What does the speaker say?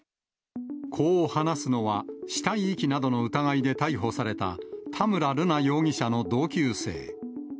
こう話すのは、死体遺棄などの疑いで逮捕された田村瑠奈容疑者の同級生。